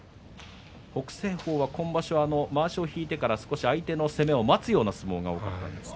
北青鵬は今場所まわしを引いてから少し相手の攻めを待つような相撲が多くなっています。